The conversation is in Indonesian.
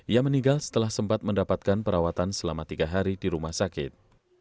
ia meninggal setelah sempat mendapatkan perawatan selama tiga hari di rumah sakit